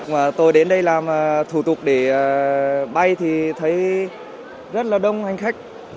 mà tôi đến đây làm thủ tục để bay thì thấy rất là đông hành khách